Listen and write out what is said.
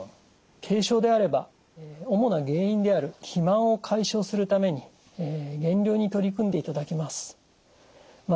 軽症であれば主な原因である肥満を解消するために減量に取り組んでいただきます。